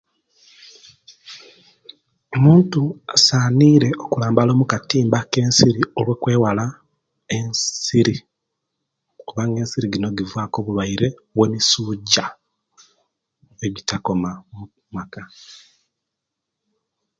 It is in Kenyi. Omuntu asaanire okulambala omukatimba ak'ensiri olwekwewala ensiri kubanga ensiri jino jivaku obulwaire bomisujja ejjitakoma omumaka.